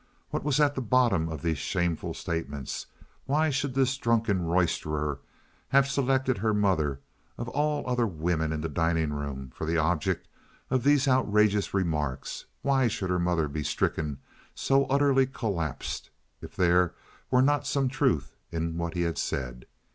What was at the bottom of these shameful statements? Why should this drunken roisterer have selected her mother, of all other women in the dining room, for the object of these outrageous remarks? Why should her mother be stricken, so utterly collapsed, if there were not some truth in what he had said?